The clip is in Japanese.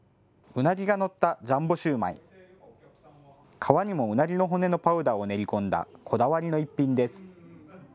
皮にも、うなぎの骨のパウダーを練り込んだこだわりの一品です。